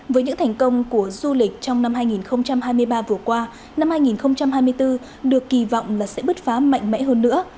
với những thành công của du lịch trong năm hai nghìn hai mươi ba vừa qua năm hai nghìn hai mươi bốn được kỳ vọng là sẽ bứt phá mạnh mẽ hơn nữa